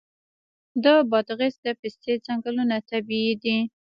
د بادغیس د پستې ځنګلونه طبیعي دي.